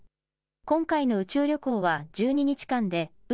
今回の宇宙旅行は１２日間で、宇